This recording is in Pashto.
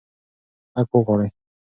حق وغواړئ.